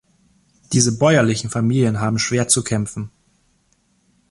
Diese bäuerlichen Familien haben schwer zu kämpfen.